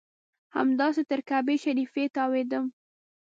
همداسې تر کعبې شریفې تاوېدم.